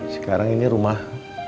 sekarang ini rumah